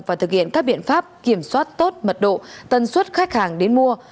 và thực hiện các biện pháp kiểm soát tốt mật độ tân suất khách hàng đến mua